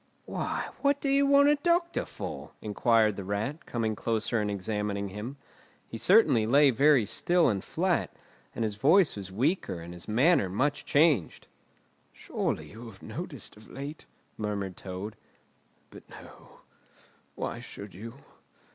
"Why, what do you want a doctor for?" inquired the Rat, coming closer and examining him. He certainly lay very still and flat, and his voice was weaker and his manner much changed. "Surely you have noticed of late——" murmured Toad. "But, no—why should you?